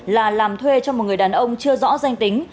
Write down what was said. là làm thuê cho một người đàn ông chưa rõ danh tính